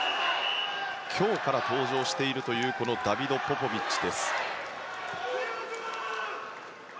今日から登場しているダビド・ポポビッチ。